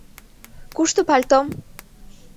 — Кушто пальтом?